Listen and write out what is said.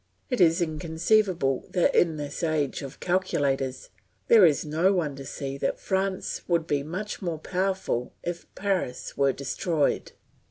It is inconceivable that in this age of calculators there is no one to see that France would be much more powerful if Paris were destroyed.